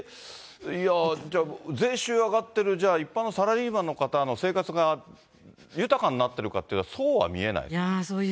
だからそれで、じゃあ、税収上がってる、じゃあ一般のサラリーマンの方の生活が豊かになってるかというと、そうは見えない。